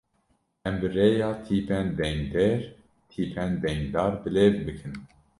Em bi rêya tîpên dengdêr, tîpên dengdar bi lêv bikin.